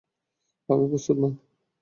আমি প্রস্তুত, মা!